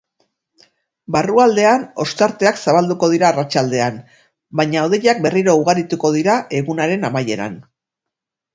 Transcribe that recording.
Barrualdean ostarteak zabalduko dira arratsaldean, baina hodeiak berriro ugarituko dira egunaren amaieran.